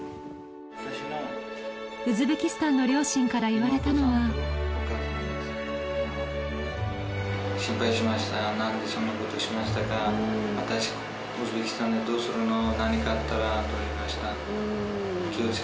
ウズベキスタンの両親から言われたのはと言われました。